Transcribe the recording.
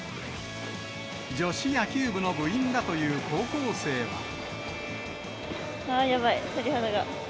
女子野球部の部員だという高やばい、鳥肌が。